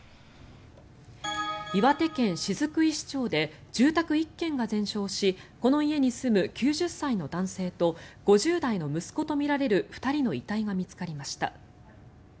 岩手県雫石町で住宅１軒が全焼しこの家に住む９０歳の男性と５０代の息子とみられる２人の遺体が見つかりました。